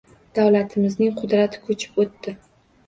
Davlatimizning qudrati koʻchib oʻtdi.